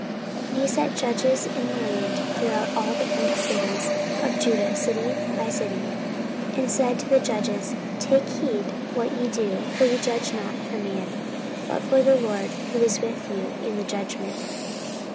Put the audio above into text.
14:019:005 And he set judges in the land throughout all the fenced cities of Judah, city by city, 14:019:006 And said to the judges, Take heed what ye do: for ye judge not for man, but for the LORD, who is with you in the judgment.